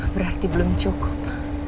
berarti belum cukup